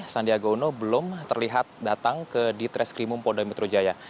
sandiaga uno belum terlihat datang ke di treskrimum polda metro jaya